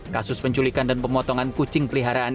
kasus penculikan dan pemotongan kucing peliharaan